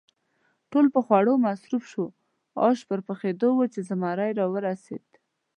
ټول په خوړو مصروف شوو، آش پر خلاصېدو ول چې زمري هم را ورسېد.